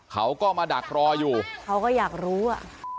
เขาก็มาดักรออยู่เขาก็อยากรู้อ่ะ